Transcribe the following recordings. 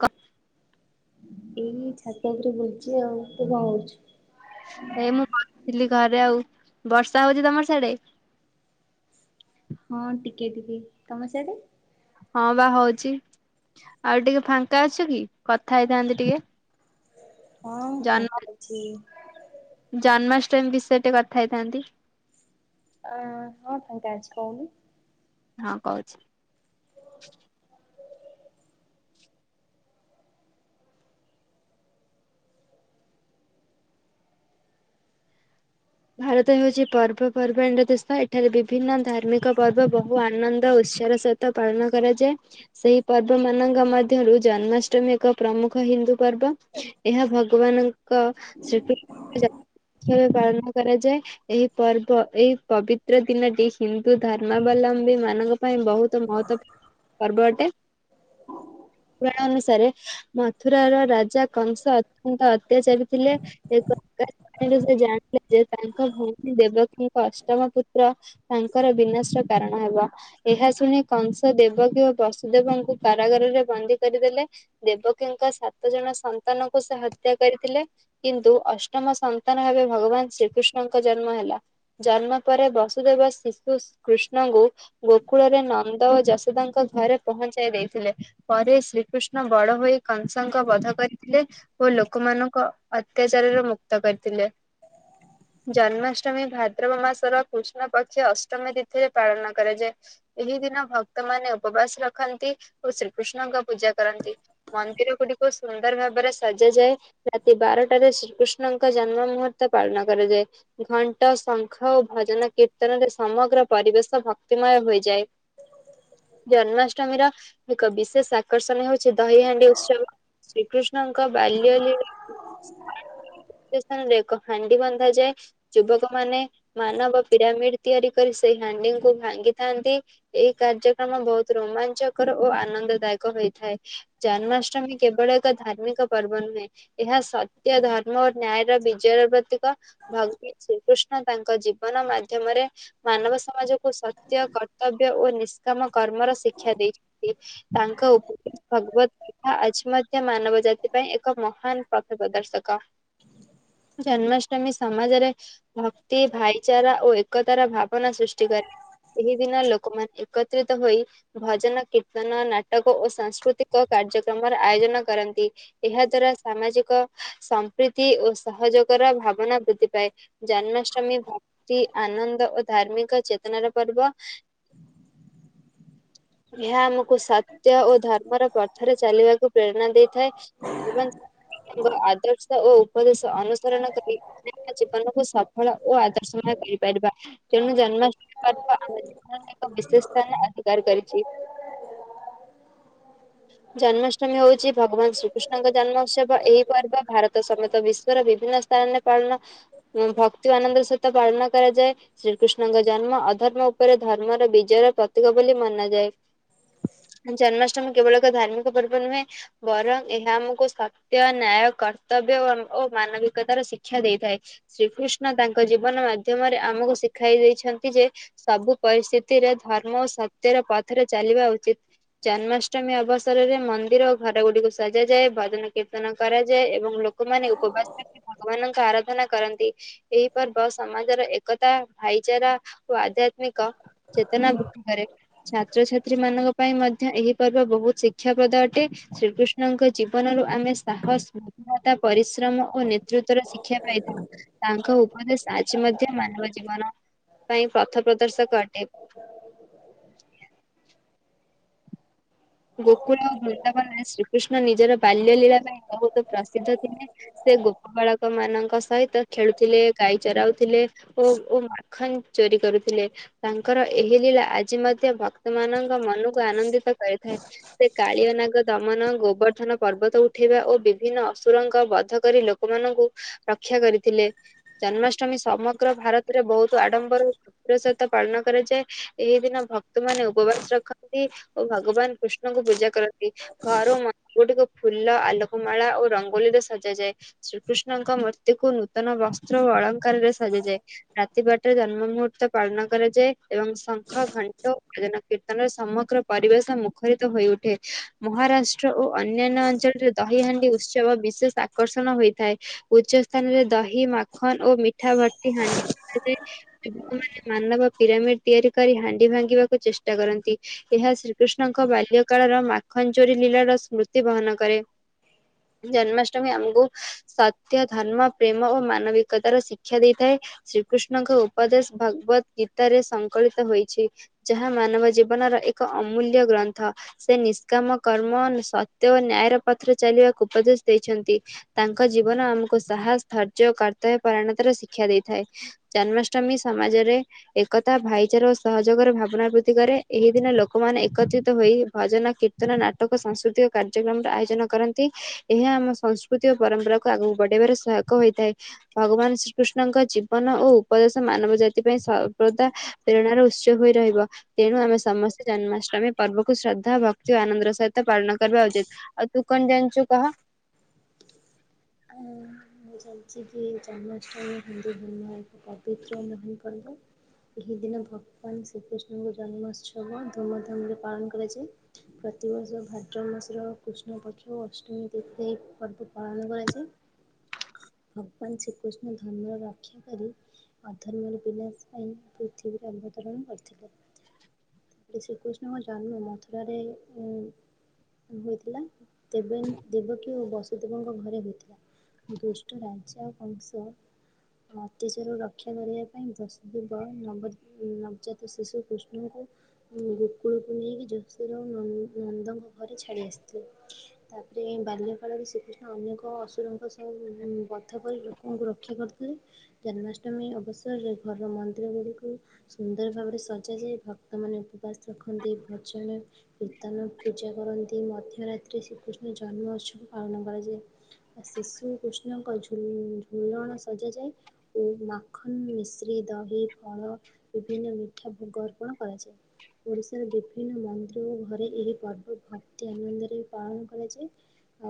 କ ଏହି ଛାତି ଓପରେ ବୁଲଚି ଆଉ ତୁ କଣ କରୁଚୁ? ଏଇ ମୁଁ ବସିଥିଲି ଘରେ ଆଉ ବର୍ଷା ହଉଚି ତମର ସ୍ୟାଡ଼େ? ହଁ ଟିକେ ଟିକେ ତମ ସ୍ୟାଡ଼େ? ହଁ ବା ହଉଚି ଆଉ ଟିକେ ଫାଙ୍କା ଅଛ କି କଥା ହେଇଥାନ୍ତି ଟିକେ? ହଁ ଫାଙ୍କା ଜନ୍ମ ଅଛି। ଜନ୍ମାଷ୍ଟମୀ ବିଷୟରେ ଟିକେ କଥା ହେଇଥାନ୍ତି। ଅ ହଁ ଫଙ୍କା ଅଛି କହୁନୁ। ହଁ କହୁଛି। ଭାରତ ହେଉଚି ପର୍ବପର୍ବାଣିର ଦେଶ ଏଠାରେ ବିଭିନ୍ନ ଧାର୍ମିକ ପର୍ବ ବହୁ ଆନନ୍ଦ ଉତ୍ସାହର ସ ତ ପାଳନ କରାଯାଏ। ସେଇ ପର୍ବମାନଙ୍କ ମଧ୍ୟରୁ ଜନ୍ମାଷ୍ଟମୀ ଏକ ପ୍ରମୁଖ ହିନ୍ଦୁ ପର୍ବ। ଏହା ଭଗବାନଙ୍କ ଶ୍ରୀକୁ ଜ ଭାବେ ପାଳନ କରାଯାଏ। ଏହି ପର୍ବ ଏଇ ପବିତ୍ର ଦିନଟି ହିନ୍ଦୁ ଧର୍ମାବଲମ୍ବୀମାନଙ୍କ ପାଇଁ ବହୁତ ମହତ୍ତ୍ୱ ପର୍ବ ଅଟେ। ପୁରାଣ ଅନୁସାରେ ମଥୁରାର ରାଜା କଂସ ଅତ୍ୟନ୍ତ ଅତ୍ୟାଚାରୀ ଥିଲେ ଏକ କା ଆଇଁରୁ ସେ ଜାଣିଲେ ଯେ ତାଙ୍କ ଭଉଣୀ ଦେବକୀଙ୍କ ଅଷ୍ଟମ ପୁତ୍ର ତାଙ୍କର ବିନାଶର କାରଣ ହେବ। ଏହା ଶୁଣି କଂସ ଦେବ କି ଓ ବସୁଦେବଙ୍କୁ କାରାଗାରରେ ବନ୍ଦୀ କରିଦେଲେ। ଦେବକୀଙ୍କ ସାତ ଜଣ ସନ୍ତାନଙ୍କୁ ସେ ହତ୍ୟା କରିଥିଲେ। କିନ୍ତୁ ଅଷ୍ଟମ ସନ୍ତାନ ଭାବେ ଭଗବାନ ଶ୍ରୀକୃଷ୍ଣଙ୍କ ଜନ୍ମ ହେଲା। ଜନ୍ମ ପରେ ବସୁଦେବ ଶିଶୁ ଶ୍ କୃଷ୍ଣଙ୍କୁ ଗୋକୁଳରେ ନନ୍ଦ ଓ ଯଶୋଦାଙ୍କ ଘରେ ପହଞ୍ଚାଇ ଦେଇଥିଲେ। ପରେ ଶ୍ରୀକୃଷ୍ଣ ବଡ ହୋଇ କଂସଙ୍କ ବଧ କରିଥିଲେ। ଓ ଲୋକମାନଙ୍କ ଅତ୍ୟାଚାରରୁ ମୁକ୍ତ କରିଥିଲେ। ଜନ୍ମାଷ୍ଟମୀ ଭାଦ୍ରବ ମାସର କୃଷ୍ଣ ପକ୍ଷ ଅଷ୍ଟମୀ ତିଥିରେ ପାଳନ କରାଯାଏ। ଏହି ଦିନ ଭକ୍ତମାନୋନ ଉପବାସ ରଖନ୍ତି ଓ ଶ୍ରୀକୃଷ୍ଣଙ୍କ ପୂଜା କରନ୍ତି। ମନ୍ଦିର ଗୁଡିକୁ ସୁନ୍ଦର ଭାବରେ ସଜାଯାଏ। ରାତି ବାରଟାରେ ଶ୍ରୀକୃଷ୍ଣଙ୍କ ଜନ୍ମ ମୁହୂର୍ତ୍ତ ପାଳନ କରାଯାଏ। ଘଣ୍ଟ ଶଙ୍ଖ ଓ ଭଜନ କୀର୍ତ୍ତନରେ ସମଗ୍ର ପରିବେଶ ଭକ୍ତିମୟ ହୋଇଯାଏ। ହ [inaudible] ଜନ୍ମାଷ୍ଟମୀର ଏକ ବିଶେଷ ଆକର୍ଷଣ ହେଉଛି ଦହିହାଣ୍ଡି ଉତ୍ସବ। ଶ୍ରୀକୃଷ୍ଣଙ୍କ ବାଲ୍ୟ ଲୀ [inaudible] ସ୍ଥାନରେ ଏକ ହାଣ୍ଡି ବନ୍ଧାଯାଏ ଯୁବକମାନେ ମାନବ ପିରାମିଡ଼୍ ତିଆରି କରି ସେଇ ହାଣ୍ଡିଙ୍କୁ ଭାଙ୍ଗିଥାନ୍ତି। ଏଇ କାର୍ଯ୍ୟକ୍ରମ ବହୁତ ରୋମାଞ୍ଚକର ଓ ଆନନ୍ଦ ଦାୟକ ହୋଇଥାଏ। ଜନ୍ମାଷ୍ଟମୀ କେବଳ ଏକ ଧାର୍ମିକ ପର୍ବ ନୁହେଁ ଏହା ସତ୍ୟ ଧର୍ମ ଓ ନ୍ୟାୟର ବିଜୟର ପ୍ରତୀକ। ଭଗି ଶ୍ରୀକୃଷ୍ଣ ତାଙ୍କ ଜୀବନ ମାଧ୍ୟମରେ ମାନବ ସମାଜକୁ ସତ୍ୟ କର୍ତ୍ତବ୍ୟ ଓ ନିଷ୍କାମ କର୍ମର ଶିକ୍ଷା ଦେଇଛନ୍ତି। ତାଙ୍କ ଉ ଭଗବତ୍ ଏହା ଆଜି ମଧ୍ୟ ମାନବ ଜାତି ପାଇଁ ଏକ ମହାନ ପଥ ପ୍ରଦର୍ଶକ। ଜନ୍ମାଷ୍ଟମୀ ସମାଜରେ ଭକ୍ତି ଭାଇଚାରା ଓ ଏକତାର ଭାବନା ସୃଷ୍ଟି କ ଏହି ଦିନ ଲୋକମାନେ ଏକତ୍ରିତ ହୋଇ ଭଜନ କୀର୍ତ୍ତନ ନାଟକ ଓ ସାଂସ୍କୃତିକ କାର୍ଯ୍ୟକ୍ରମର ଆୟୋଜନ କରନ୍ତି। ଏହା ଦ୍ଵାରା ସାମାଜିକ ସମ୍ପ୍ରୀତି ଓ ସହଯୋଗର ଭାବନା ବୃ ଥିପାଇଁ ଜନ୍ମାଷ୍ଟମୀ ଭକ୍ତି ଆନନ୍ଦ ଓ ଧାର୍ମିକ ଚେତନାର ପର୍ବ। [unintelligible] ଏହା ଆମୁ ଓ ସତ୍ୟ ଓ ଧର୍ମର ପ୍ରଥରେ ଚାଲିବାକୁ ପ୍ରେରଣା ଦେଇଥାଏ। ଉମାଁ ତାଙ୍କ ଆଦର୍ଶ ଓ ଉପଦେଶ ଅନୁସରଣ କରି ନୟା ଜୀବନକୁୁ ସଫଳ ଓ ଆଦର୍ଶମୟ କରିପାରିବା। ତେଣୁ ଜନ୍ମ [unintelligible] ବିଶେଷ ଅଧିକାର କରିଛି। [unintelligible] ଜନ୍ମାଷ୍ଟମୀ ହଉଛି ଭଗବାନ ଶ୍ରୀକୃଷ୍ଣଙ୍କ ଜନ୍ମ ଉତ୍ସବ ଏହି ପର୍ବ ଭାରତ ସମେତ ବିଶ ବିଶ୍ବର ବିଭିନ୍ନ ସ୍ଥାନରେ ପାଳନ ଭକ୍ତି ଆାନନ୍ଦର ସହିତ ପାଳନ କରାଯାଏ। ଶ୍ରୀକୃଷ୍ଣଙ୍କ ଜନ୍ମ ଅଧର୍ମ ଉପରେ ଧର୍ମର ବିଜୟର ପ୍ରତୀକ ବୋଲି ମନାଯାଏ। ଜନ୍ମାଷ୍ଟମୀ କେବଳ ଏକ ଧାର୍ମିକ ପର୍ବ ନୁହେଁ ବରଂ ଏହା ଆମକୁ ସତ୍ୟ ନ୍ୟାୟ କର୍ତ୍ତବ୍ୟ ଓ ମାନବିକତାର ଶିକ୍ଷ ଶିକ୍ଷା ଦେଇଥାଏ ଶ୍ରୀକୃଷ୍ଣ ତାଙ୍କ ଜୀବନ ମାଧ୍ୟମରେ ଆମକୁ ଶିଖାଇ ଦେଇଛନ୍ତି ଯେ ସବୁ ପରିସ୍ଥିତିରେ ଧର୍ମ ଓ ସତ୍ୟର ପଥରେ ଚାଲିବା ଉଚିତ। ଜନ୍ମାଷ୍ଟମୀ ଅବସରରେ ମନ୍ଦିର ଓ ଘର ଗୁଡିକୁ ସଜାାଯାଏ ଭଜନ କୀର୍ତ୍ତନ କରାଯାଏ ଏବଂ ଲକ ମାନେ ଉପବାସ ହ ରଖି [unintelligible] ଭଗବାନଙ୍କ ଆରାଧନା କରନ୍ତି। ଏହି ପର୍ବ ସମାଜର ଏକତା ଭାଇଚାରା ଓ ଆଧ୍ୟାତ୍ମିକ ଚେତନା ବୄଦ୍ଧି କରେ। ଛାତ୍ରଛାତ୍ରୀ ମାନଙ୍କ ପାଇଁ ମଧ୍ୟ ଏହି ପର୍ବ ବହୁତ ଶିକ୍ଷା ପ୍ରଦ ଅଟେ ଶ୍ରୀକୃଷ୍ଣ ମାନଙ୍କ ଜୀବନରୁ ଆମେ ସାହସ, ବୃଧଳତା, ପରିଶ୍ରମ ଓ ନେତୃତ୍ୱର ଶିକ୍ଷା ପାଇଥାଉ। ତାଙ୍କ ଉପଦେଶ ଆଜି ମଧ୍ୟ ମାନବ ଜୀବନ ପାଇଁ ପ୍ରଥ ପ୍ରଦର୍ଶକ ଅଟେ। ଗୋକୁଳ ଓ ବୃନ୍ଦାବନା ଶ୍ରୀକୃଷ୍ଣ ନିଜର ବାଲ୍ୟ ଲୀଳା ପାଇଁ ବହୁତ ପ୍ରସିଦ୍ଧ ଥିଲେ। ସେ ଗୋପ ବାଳକ ମାନଙ୍କ ସହିତ ଖେଳୁଥିଲେ ଗାଈ ଚରାଉଥିଲେ ଓ ଓ ଖାଲି ଚୋରି କରୁଥିଲେ। ତାଙ୍କର ଏହି ଲୀଳା ଆଜି ମଧ୍ୟ ଭକ୍ତ ମାନଙ୍କ ମନକୁ ଆନନ୍ଦିତ କରିଥାଏ। ସେ କାଳିଅ ନଗ ଦମନ ଗୋବର୍ଦ୍ଧନ ପର୍ବତ ଉଠେଇବା ଓ ବିଭିନ୍ନ ଅସୁରଙ୍କ ବଧ କରି ଲୋକ ଲୋକମାନଙ୍କୁ ରକ୍ଷା କରିଥିଲେ ଜନ୍ମାଷ୍ଟମୀ ସମଗ୍ର ଭାରତରେ ବହୁତ ଆଡମ୍ବର [unintelligible] ସହିତ ପାଳନ କରାଯାଏ ଏହି ଦିନ ଭକ୍ତ ମାନ ଉପବାସ ରଖନ୍ତି ଓ ଭଗବାନ କୃଷ୍ଣଙ୍କୁ ପୂଜା କରନ୍ତି। ଘରୁ ମ ଗୋ ଟିକୁ ଫୁଲ ଆଲୋକମାଳା ଓ ରଙ୍ଗୋୋଲିରେ ସଜାାଯାଏ। ଶ୍ରୀକୃଷ୍ଣଙ୍କ ମୂର୍ତ୍ତି କୁ ନୂତନ ବସ୍ତ୍ର ଓ ଅଳଙ୍କାରରେ ସାଜଯାଏ। ରାତି ବାଟାରେ ଜନ୍ମ ମୁହୂର୍ତ୍ତ ପାଳନ କରାଯାଏ ଏବଂ ଶଙ୍ଖ ଘଣ୍ଟଜନ କୀର୍ତ୍ତନରେ ସମଗ୍ର ପରିବେଶ ମୁ ରିତ ହୋଇ ଉଠେ ମହାରାଷ୍ଟ୍ର ଓ ଅନ୍ୟାନ୍ୟ ଅଞ୍ଚଳରେ ଦହିହାଣ୍ଡି ଉତ୍ସବ ବିଶେଷ ଆକର୍ଷଣ ହୋଇଥାଏ ଉଚ୍ଚ ସ୍ଥାନରେ ଦହି ମାଖନ ଓ ମିଠା ଭର୍ତ୍ତି ହାଣ୍ଡି ଠାକୁରାଣି ମାନଙ୍କ ପିରାମିଡ ତିଆରି କରି ହାଣ୍ଡି ଭାଙ୍ଗିବାକୁ ଚେଷ୍ଟା କରନ୍ତି ଏହା ଶ୍ରୀକୃଷ୍ଣ କୃଷ୍ଣଙ୍କ ବାଲ୍ୟ କାଳର ମାଖନ ଚୋରି ଲୀଳାର ସ୍ମୃତି ବହନ କରେ। ଜନ୍ମାଷ୍ଟମୀ ଆମକୁୁ ସତ୍ୟ ଧର୍ମ ପ୍ରେମ ଓ ମାନବିକତାର ଶିକ୍ଷା ଦେଇଥାଏ। ଶ୍ରୀକୃଷ୍ଣଙ୍କ ଉପଦେଶ ଭଗବତ ଗୀତରେ ସଂକଳିତ ହୋଇଛି। ଯାହା ମାନବ ଜୀବନର ଏକ ଅମୂଲ୍ୟ ଗ୍ରନ୍ଥ। ସେ ନିଷ୍କାମ କର୍ମ ସତ୍ୟ ଓ ନ୍ୟାୟର ପଥର ଚାଲିବାକୁ ଉପଦେଶ ଦେଇଛନ୍ତି। ତାଙ୍କ ଜୀବନ ଆମକୁ ସାହସ ଧୈର୍ଯ୍ୟ ଓ କର୍ତ୍ତବ୍ୟ ପରାଣତାର ଶିକ୍ଷା ଦେଇଥାଏ। ଜନ୍ମାଷ୍ଟମୀ ସମାଜରେ ଏକତା ଭାଇଚାରା ଓ ସହଯୋଗର ଭାବନା ବୃଦ୍ଧି କରେ ଏହି ଦିନ ଲୋକମାନେ ଏକତ୍ରିତ ହୋଇ ଭଜନ କୀର୍ତ୍ତନ ନାଟକ ସାଂସ୍କୃତିକ କାର୍ଯ୍ୟକ୍ରମର ଆୟୋଜନ କରନ୍ତି। ଏହା ଆମ ସଂସ୍କୃତି ଓ ପରମ୍ପରାକୁ ଆଗକୁ ବଢେଇବାରେ ସହାୟକ ହୋଇଥାଏ। ଭଗବାନ ଶ୍ରୀକୃଷ୍ଣଙ୍କ ଜୀବନ ଓ ଉପଦେଶ ମାନବ ଜାତି ସେଥିପାଇଁ ସର୍ବଦା ପ୍ରେରଣାର ଉତ୍ସ ହୋଇ ରହିବ ତେଣୁ ଆମେ ସମସ୍ତେ ଜନ୍ମାଷ୍ଟମୀ ଆମେ ପର୍ବକୁ ଶ୍ରଦ୍ଧା ଭକ୍ତି ଓ ଆନନ୍ଦର ସହିତ ପାଳନ କ କରିବା ଉଚିତ ଆଉ ତୁ କଣ ଜାଣିଚୁ କହ। ହଁ। ମୁଁ ଜାଣିଛି କି ଜନ୍ମାଷ୍ଟମୀ ହିନ୍ଦୁ [unintelligible] ଏକ ପବିତ୍ର ମହାନ ପର୍ବ। ଏହି ଦିନ ଭଗବାନ ଶ୍ରୀକୃଷ୍ଣଙ୍କ ଜନ୍ମୋତ୍ସବ ଧୁମଧାମରେ ପାଳନ କରାଯାଏ। ପ୍ରତିବର୍ଷ ଭାଦ୍ରବ ମାସର କୃଷ୍ଣ ପକ୍ଷ, ଅଷ୍ଟମୀ ତିଥି ପର୍ବ ପାଳନ କରାଯାଏ। [inaudible] ଭଗବାନ ଶ୍ରୀକୃଷ୍ଣ ଧର୍ମର ରକ୍ଷା କରି ଅଧର୍ମର ବିନାଶ ପାଇଁ ପୃଥିବୀରେ ଅବତରଣ କରିଥିଲେ। ଶ୍ରୀକୃଷ୍ଣଙ୍କ ଜନ୍ମ ମଥୁରାରେ ହିଁ ହୋଇଥିଲା। ତେବେ ଦେବକୀ ଓ ବସୁଦେବଙ୍କ ଘରେ ହୋଇଥି [inaudible] ଦୁଷ୍ଟ ରାଜା କଂସ ଅତ୍ୟାଚାରରୁ ରକ୍ଷା କରିବା ପାଇଁ ବସୁଦେବ ନନ୍ଦ ନବଜାତ ଶିଶୁ କୃଷ୍ଣଙ୍କୁ ଗୋକୁଳକୁ ନେଇକି ଯଶୋଦା ନ ନନ୍ଦ ଘରେ ଛାଡ଼ି ଆସିଥିଲେ, ତାପରେ ବାଲ୍ୟ କାଳରେ ଶ୍ରୀକୃଷ୍ଣ ଅନେକ ଅନେକ ଅସୁରଙ୍କୁ ସବୁ ବଧ କରି ଲୋକଙ୍କୁ ରକ୍ଷା କରିଥିଲେ। ଜନ୍ମାଷ୍ଟମୀ ଅବସରରେ ଘର ମନ୍ଦିର ଗୁଡ଼ିକୁ ସୁନ୍ଦର ଭାବରେ ସଜାଯାଏ। ଭକ୍ତମାନେ ଉପବାସ ରଖନ୍ତି। ଭଜନ କୀର୍ତ୍ତନ ପୂଜା କରନ୍ତି, ମଧ୍ୟରାତ୍ରି ଶ୍ରୀକୃଷ୍ଣ ଜନ୍ମ ଉତ୍ସବ ପାଳନ କରାଯାଏ। ଆ ଶିଶୁ କୃଷ୍ଣଙ୍କ ଝୁ ଝୁଲଣ ସଜାଯାଏ। ଓ ମାଖନ ମିଶ୍ରି ଦହି ଫଳ ବିଭିନ୍ନ ମିଠା ଭୋଗ ଅର୍ପଣ କରାଯାଏ। ଓଡ଼ିଶାର ବିଭିନ୍ନ ମନ୍ଦିର ଓ ଘରେ ଏହି ପର୍ବ ଭକ୍ତି ଆନନ୍ଦରେ ପାଳନ କରାଯାଏ।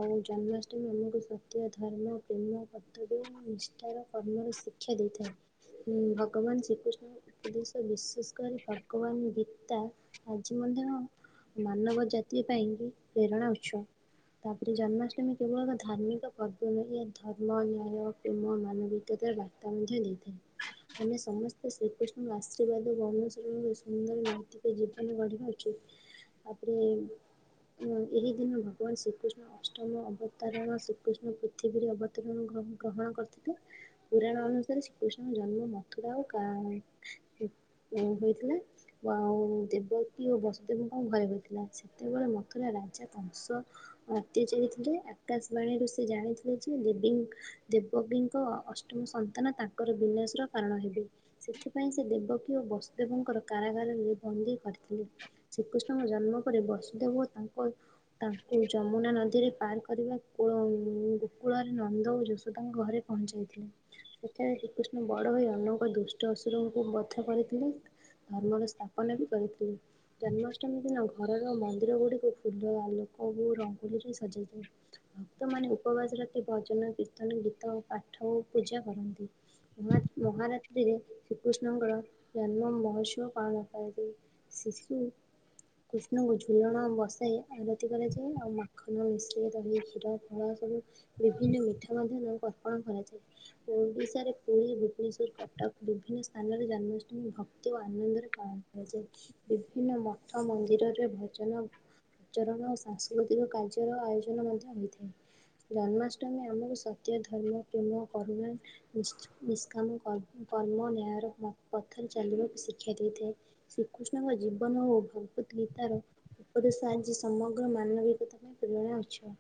ଆଉ ଜନ୍ମାଷ୍ଟମୀ [inaudible] ପ୍ରକୃତ ଧର୍ମ, ପ୍ରେମ, କର୍ତ୍ତବ୍ୟ ଓ ନିଷ୍ଠାର, କର୍ମର ଶିକ୍ଷା ଦେଇଥାଏ। ହୁଁ ଭଗବାନ ଶ୍ରୀକୃଷ୍ଣ ଉପଦେଶ ବିଶେଷ କରି ଭଗବାନ ଗୀତା ଆଜି ମଧ୍ୟ ମାନବ ଜାତି ପାଇଁକି ପ୍ରେରଣା ଉତ୍ସ। ତାପରେ ଜନ୍ମାଷ୍ଟମୀ କେବଳ ଏକ ଧାର୍ମି ଏକ ପର୍ବ। ଏହା ଧର୍ମ, ନ୍ୟାୟ, ପ୍ରେମ, ମାନବିକତାର ବାର୍ତ୍ତା ମଧ୍ୟ ଦେଇଥାଏ। ଆମେ ସମସ୍ତେ ଶ୍ରୀକୃଷ୍ଣଙ୍କ ଆଶୀର୍ବାଦ ଓ ଅନୁସରଣରେ ସୁନ୍ଦର ନୈତିକ ଜୀବନ ଗଢ଼ିବା ଉଚିତ। ତାପରେ ଏହି, ଏହି ଦିନ ଭଗବାନ ଶ୍ରୀକୃଷ୍ଣ ଅଷ୍ଟମ ଅବତାରଣ ଶ୍ରୀ କୃଷ୍ଣ ପୃଥିବୀରେ ଅବତରଣ ଗ୍ର ଗ୍ରହଣ କରିଥିଲେ। ପୁରାଣ ଅନୁସାରେ ଶ୍ରୀକୃଷ୍ଣଙ୍କ ଜନ୍ମ ମଥୁରା ଓ କା କୁ ହୋଇଥିଲା। ଆଉ ଦେବକୀ ଓ ବସୁଦେବଙ୍କ ଘରେ ହୋଇଥିଲା, ସେତେବେଳେ ମଥୁରା ରାଜା କଂସ ଅତ୍ୟାଚାରୀ ଥିଲ। ଆକାଶବାଣୀରୁ ସେ ଜାଣିଥିଲା ଯେ ଦେବୀଙ୍କ୍ ଦେବକୀଙ୍କ ଅଷ୍ଟମ ସନ୍ତାନ ତାଙ୍କର ବିନାଶର କାରଣ ହେବେ। ସେଥିପାଇଁ ସେ ଦେବକୀ ଓ ବସୁଦେବଙ୍କର କାରାଗାରରେ ବନ୍ଦୀ କରିଥିଲେ। ଶ୍ରୀକୃଷ୍ଣଙ୍କ ଜନ୍ମ ପରେ ବସୁଦେବ ଓ ତାଙ୍କ ତାଙ୍କୁ ଯମୁନା ନଦୀରେ ପାର୍ କରିବାକୁ ଗୋ-ଅ-ଅ ଗୋକୁଳରେ ନନ୍ଦ ଓ ଯଶୋଦାଙ୍କ ଘରେ ପହଞ୍ଚାଇଥିଲେ। ତଥା ଶ୍ରୀକୃଷ୍ଣ ବଡ ଓ ଅନେକ ଦୁଷ୍ଟ ଅସୁରଙ୍କୁ ବଧ କରିଥିଲେ। ଧର୍ମର ସ୍ଥାପନ ବି କରିଥିଲେ, ଜନ୍ମାଷ୍ଟମୀ ଦିନ ଘରର ମନ୍ଦିର ଗୁଡିକୁ ଫୁଲ, ଆଲୋକରେ ଓ ରଙ୍ଗୋଲିରେ ସଜା ହେଇଥାଏ। ଭକ୍ତମାନେ ଉପବାସ ରାତି, ଭଜନ କୀର୍ତ୍ତନ ଗୀତ ପାଠ ଓ ପୂଜା କରନ୍ତି। ମ ମହାରାତ୍ରିରେ ଶ୍ରୀକୃଷ୍ଣଙ୍କର ଜନ୍ମ ମହୋତ୍ସବ ପାଳନ କରାଯଏ। ଶିଶୁ କୃଷ୍ଣଙ୍କୁ ଝୁଲଣରେ ବସାଇ ଆରତି କରାଯାଏ, ଆଉ ମାଖନ ମିଶ୍ରୀ ଦହି କ୍ଷୀର ଫଳ ସବୁ ବିଭିନ୍ନ ମିଠା ମଧ୍ୟ ତାଙ୍କୁ ଅର୍ପଣ କରାଯାଏ। ଓଡ଼ିଶାରେ ପୁରୀ [inaudible] ଭୁବନେଶ୍ୱର, କଟକ ବିଭିନ୍ନ ସ୍ଥାନରେ ଜନ୍ମାଷ୍ଟମୀ ଭକ୍ତି ଓ ଆନନ୍ଦରେ ପାଳନ କରାଯାଏ। ବିଭିନ୍ନ ମଠ ମନ୍ଦିରରେ ଭଜନ ଆଚରଣ ଓ ସାଂସ୍କୃତିକ କାର୍ଯ୍ୟର ଆୟୋଜନ ମଧ୍ୟ ହୋଇଥାଏ। ଜନ୍ମାଷ୍ଟମୀ ଆମର ସତ୍ୟ, ଧର୍ମ, ପ୍ରେମ, କରୁଣା ନିଷ୍ ନିଷ୍କାମ କମ୍ କର୍ମ ନ୍ୟାୟର ପଥରେ ଚାଲିବାକୁ ଶିକ୍ଷା ଦେଇଥାଏ। ଶ୍ରୀକୃଷ୍ଣଙ୍କ ଜୀବନ ଓ ଭଗବତ ଗୀତାର ଏପରି [unintelligible] ସମଗ୍ର ମାନବିକତା ପାଇଁ ପ୍ରେରଣାଉତ୍ସ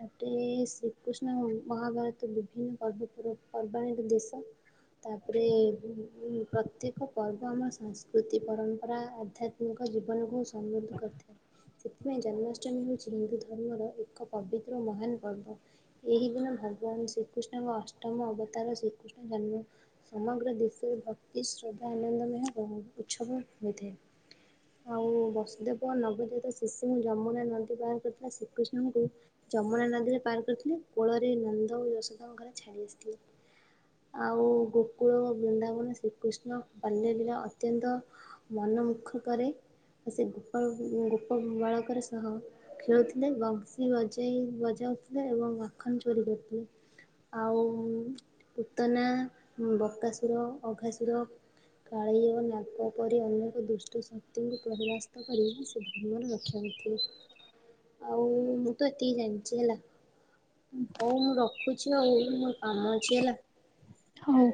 ତାଟିରେ ଶ୍ରୀକୃଷ୍ଣ ଓ ମହାଭାରତ ବିଭିନ୍ନ ପର୍ବ ପର ପର୍ବାଣିର ଦେଶ ତାପରେ [unintelligible] ପ୍ରତ୍ୟେକ ପର୍ବ ଆମ ସଂସ୍କୃତି ପରମ୍ପରା ଆଧ୍ୟାତ୍ମିକ ଜୀବନକୁ ସମୃଦ୍ଧ କରିଥାଏ। ସେଥିପାଇଁ ଜନ୍ମାଷ୍ଟମୀ ହୋଉଚି ହିନ୍ଦୁ ଧର୍ମର ଏକ ପବିତ୍ର ମହାନ ପର୍ବ। ଏହି ଦିନ ଭଗବାନ ଶ୍ରୀକୃଷ୍ଣଙ୍କ ଅଷ୍ଟମ ଅବତାର ଶ୍ରୀକୃଷ୍ଣ ଜନ୍ମ ସମଗ୍ର ଦେଶରେ ଭକ୍ତି ଶ୍ରଦ୍ଧା ଆନନ୍ଦମୟ [unintelligible] ଉତ୍ସବ ହୋଇଥାଏ। ଆଉ ବସୁଦେବ ନବଜାତ ଶିଶୁଙ୍କୁ ଯମୁନା ନଦୀ ପାର କରିଥିଲା ଶ୍ରୀକୃଷ୍ଣଙ୍କୁ ଯମୁନା ନଦୀରେ ପାର କରିଥିଲେ କୋଳରେ ନନ୍ଦ ଓ ଯଶୋଦାଙ୍କ ଘରେ ଛାଡ଼ି ଆସିଥିଲେ। ଆଉ ଗୋକୁଳ ବୃନ୍ଦାବନ ଶ୍ରୀକୃଷ୍ଣ ବାଲ୍ୟ ଲୀଳା ଅତ୍ୟନ୍ତ ମନମୁଖ କରେ ଆଉ ସେ ଗୋପାଳ ଉ ଗୋପ ବାଳକର ସହ ଖେଳୁଥିଲେ ବଂଶୀ ବଜେ ଜେଇ ବଜାଉଥିଲେ ଏବଂ ମାଖନ ଚୋରି କରୁଥିଲେ। ଆଉ ପୁତନା, ବକାସୁର, ଅଘାସୁର କାଳି ଓ ନାକ ପରି ଅନେକ ଦୁଷ୍ଟ ଶକ୍ତିଙ୍କୁ ପରାସ୍ତ କରି ସେ ଧର୍ମର ରକ୍ଷା କରିଥିଲେ। ଆଉ ମୁଁ ତ ଏତିକି ଜାଣିଚି ହେଲା ହୋଉ ମୁଁ ରଖୁଛି ଆଉ ମୋର କାମ ଅଛି ହେଲା। ହୋଉ।